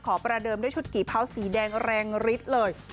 ประเดิมด้วยชุดกี่เผาสีแดงแรงฤทธิ์เลย